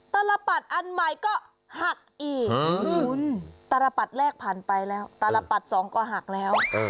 ตารปัตย์อันใหม่ก็หักอีกตารปัตย์แรกผ่านไปแล้วตารปัตย์สองก็หักแล้ว